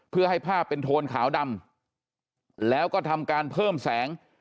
เพื่อให้ภาพเป็นโทนขาวดำแล้วก็ทำการเพิ่มแสง